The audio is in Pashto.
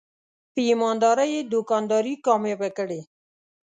په ایماندارۍ یې دوکانداري کامیابه کړې.